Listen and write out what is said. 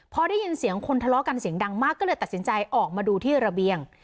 พอได้ยินเสียงคนทะเลาะกันเสียงดังมากก็เลยตัดสินใจออกมาดูที่ระเบียง